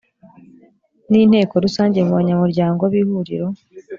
n inteko rusange mu banyamuryango b ihuriro